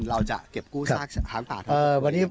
เราจะเก็บกู้ซากช้างป่าทั้งสองตัวนี้บ้าง